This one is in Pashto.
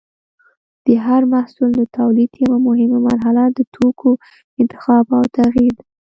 د هر محصول د تولید یوه مهمه مرحله د توکو انتخاب او تغیر دی.